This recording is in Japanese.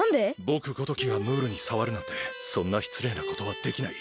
ぼくごときがムールにさわるなんてそんなしつれいなことはできない。